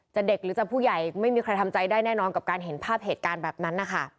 เด็กหรือจะผู้ใหญ่ไม่มีใครทำใจได้แน่นอนกับการเห็นภาพเหตุการณ์แบบนั้นนะคะ